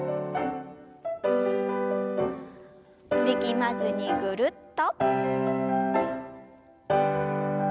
力まずにぐるっと。